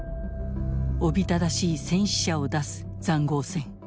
おびただしい戦死者を出す塹壕戦。